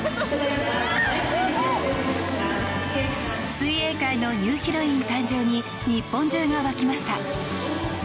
水泳界のニューヒロイン誕生に日本中が沸きました。